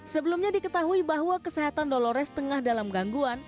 sebelumnya diketahui bahwa kesehatan dolores tengah dalam gangguan